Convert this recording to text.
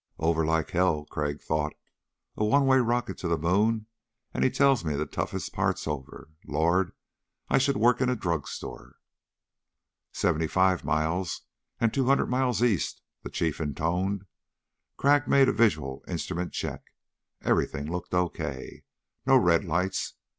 Over like hell, Crag thought. A one way rocket to the moon and he tells me the toughest part's over. Lord, I should work in a drugstore! "Seventy five miles and two hundred miles east," the Chief intoned. Crag made a visual instrument check. Everything looked okay. No red lights.